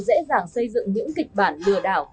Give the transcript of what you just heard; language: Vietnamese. dễ dàng xây dựng những kịch bản lừa đảo